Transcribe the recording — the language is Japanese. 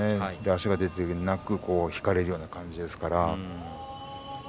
足が出ていなく引かれるような形ですから。